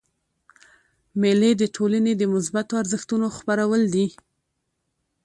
مېلې د ټولني د مثبتو ارزښتو خپرول دي.